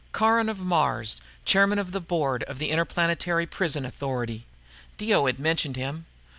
Caron of Mars, chairman of the board of the Interplanetary Prison Authority. Dio had mentioned him.